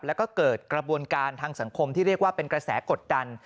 แล้วก็เกิดกระบวนการทางสังคมที่เรียกว่าเป็นกระแสกดดัน